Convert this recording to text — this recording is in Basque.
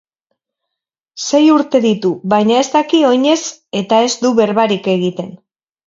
Sei urte ditu baina ez daki oinez eta ez du berbarik egiten.